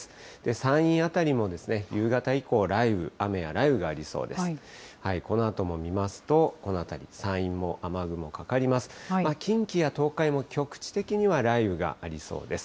山陰辺りも夕方以降、雷雨、雨や雷雨がありそうです。